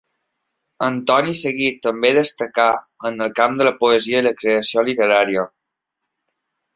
Antoni Seguí també destacar en el camp de la poesia i la creació literària.